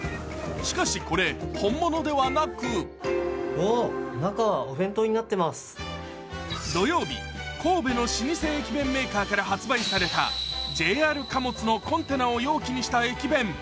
しかしこれ本物ではなく土曜日、神戸の老舗駅弁メーカーから発売されたＪＲ貨物のコンテナを容器にした駅弁。